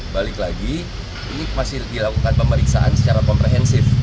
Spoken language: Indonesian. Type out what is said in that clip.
balik lagi ini masih dilakukan pemeriksaan secara komprehensif